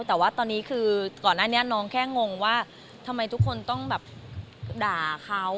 แต่ว่าตอนนี้คือก่อนหน้านี้น้องแค่งงว่าทำไมทุกคนต้องแบบด่าเขา